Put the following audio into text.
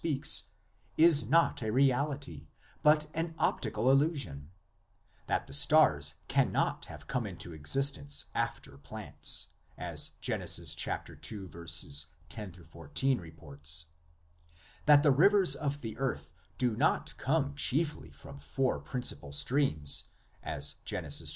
speaks, is not a reality, but an optical illu sion; that the stars cannot have come into existence after plants, as Genesis ii. 10 14 reports; that the rivers of the earth do not come chiefly from four principal streams, as Genesis ii.